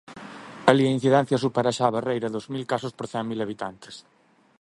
Alí a incidencia supera xa a barreira dos mil casos por cen mil habitantes.